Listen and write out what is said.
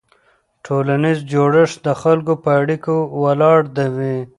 ټولنیز جوړښت د خلکو په اړیکو ولاړ وي.